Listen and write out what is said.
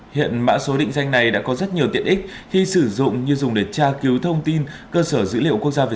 hiện mã số định danh này đã có rất nhiều tiện ích khi sử dụng như dùng để tra cứu thông tin cơ sở dữ liệu quốc gia về dân